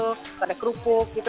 terus ada kerupuk gitu